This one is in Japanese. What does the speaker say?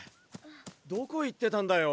どこ行ってたんだよ！？